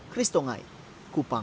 chris tongai kupang